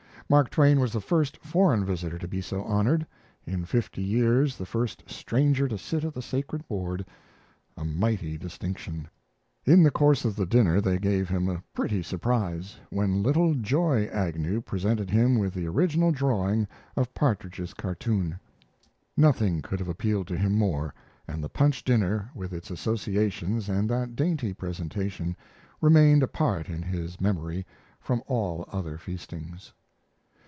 Mark Twain was the first foreign visitor to be so honored in fifty years the first stranger to sit at the sacred board a mighty distinction. In the course of the dinner they gave him a pretty surprise, when little joy Agnew presented him with the original drawing of Partridge's cartoon. Nothing could have appealed to him more, and the Punch dinner, with its associations and that dainty presentation, remained apart in his memory from all other feastings.